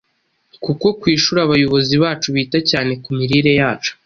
kuko ku ishuri abayobozi bacu bita cyane ku mirire yacu.